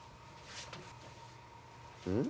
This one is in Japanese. うん？